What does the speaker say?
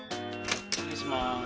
失礼します。